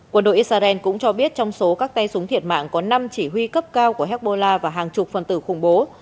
quân đội israel cũng cho biết trong số các tay súng thiệt mạng có năm chỉ huy cấp cao của hezbollah và hàng chục phần tử khủng bố